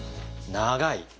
長い！